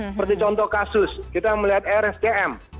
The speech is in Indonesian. seperti contoh kasus kita melihat rsdm